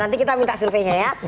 nanti kita minta surveinya ya